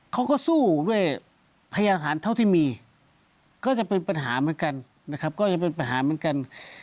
เขาก็สู้ด้วยพยายามอาธารเท่าที่มีก็จะเป็นปัญหาเหมือนกัน